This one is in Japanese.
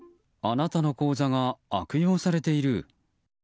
あなたの口座が悪用されている。